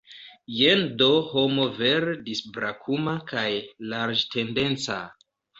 Jen do homo vere disbrakuma kaj larĝtendenca!